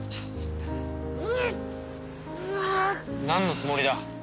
なんのつもりだ？